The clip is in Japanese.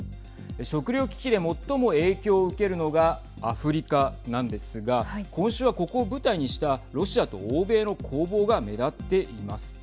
食料危機で最も影響を受けるのがアフリカなんですが今週は、ここを舞台にしたロシアと欧米の攻防が目立っています。